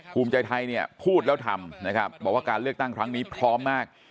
ภูมิใจไทยเนี่ยพูดแล้วทำนะครับบอกว่าการเลือกตั้งครั้งนี้พร้อมมาก